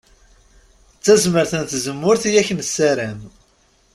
D tazmert n tzemmurt i ak-nessaram.